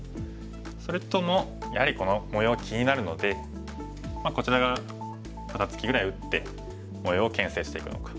それともやはりこの模様が気になるのでこちら側肩ツキぐらい打って模様をけん制していくのか。